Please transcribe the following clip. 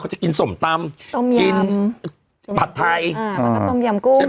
จะกินส้มตำกินผัดไทยอ่าแล้วก็ต้มยำกุ้งใช่ไหม